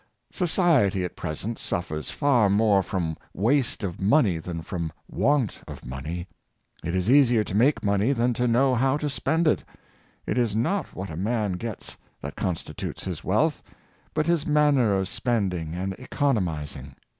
Society at present suffers far more from waste of money than from want of money. It is easier to make money than to know how to spend it. It is not what a man gets that constitutes his wealth, but his manner of spending and economizing.